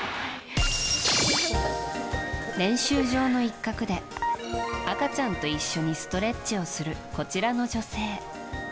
練習場の一角で、赤ちゃんと一緒にストレッチをするこちらの女性。